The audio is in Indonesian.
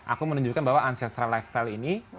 aku menunjukkan bahwa uncentral lifestyle ini